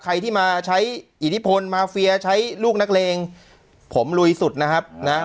ใครที่มาใช้อิทธิพลมาเฟียใช้ลูกนักเลงผมลุยสุดนะครับนะ